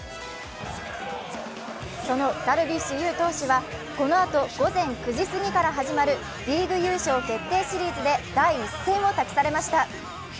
そのダルビッシュ有投手はこのあと午前９時過ぎから始まるリーグ優勝決定シリーズで第１戦を託されました。